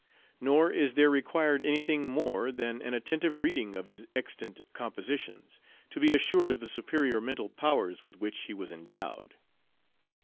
Nor is there required anything more than an attentive reading of his extant compositions, to be assured of the superior mental powers with which he was endowed.